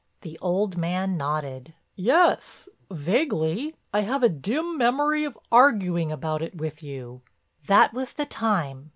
The old man nodded: "Yes, vaguely. I have a dim memory of arguing about it with you." "That was the time.